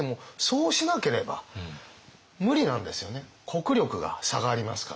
国力が差がありますから。